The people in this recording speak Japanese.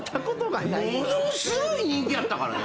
ものすごい人気やったからね！